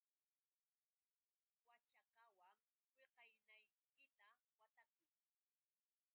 Waćhakawan wiqawniykita watakuy.